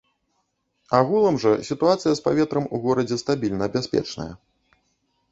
Агулам жа сітуацыя з паветрам у горадзе стабільна бяспечная.